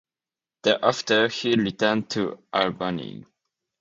Thereafter, he returned to Albany.